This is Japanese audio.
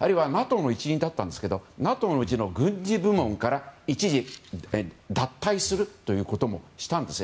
あるいはＮＡＴＯの一員だったんですけどＮＡＴＯの軍事部門から一時、脱退するということもしたんです。